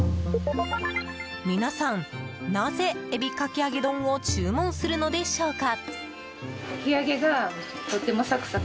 皆さん、なぜ海老かき揚丼を注文するのでしょうか。